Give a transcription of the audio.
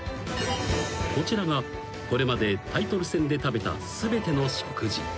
［こちらがこれまでタイトル戦で食べた全ての食事］